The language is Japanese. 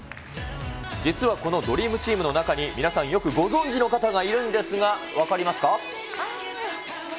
実はこのドリームチームの中に、皆さんよくご存じの方がいるんですが、分かりますか？